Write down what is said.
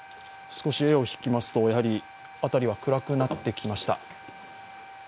少し画を引きますと辺りは少し暗くなってきました。